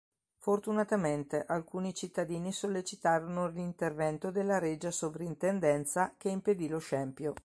Fortunatamente alcuni cittadini sollecitarono l'intervento della Regia Sovrintendenza, che impedì lo scempio.